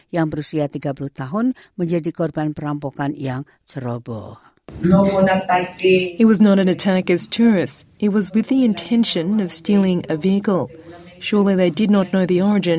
yang berusia tiga puluh tahun menjadi korban perampokan yang ceroboh